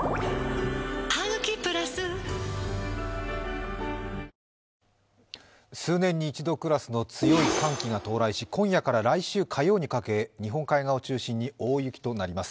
「ハグキプラス」数年に一度クラスの強い寒気が到来し、今夜から来週火曜にかけ日本海側を中心に大雪となります。